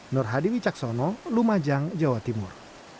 nur hadi wicaksono lumajang jawa timur